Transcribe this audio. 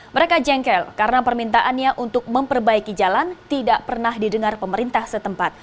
mereka jengkel karena permintaannya untuk memperbaiki jalan tidak pernah didengar pemerintah setempat